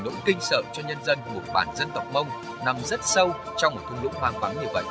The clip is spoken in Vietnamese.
nỗi kinh sợ cho nhân dân của bản dân tộc mông nằm rất sâu trong một thung lũng hoang vắng như vậy ừ ừ